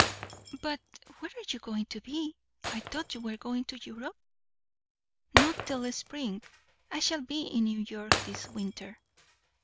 "But where are you going to be? I thought you were going to Europe?" "Not till spring. I shall be in New York this winter."